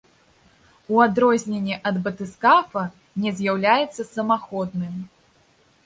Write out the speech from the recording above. У адрозненне ад батыскафа не з'яўляецца самаходным.